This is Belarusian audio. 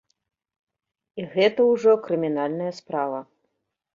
І гэта ўжо крымінальная справа.